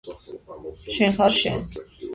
შენ ხარ შენ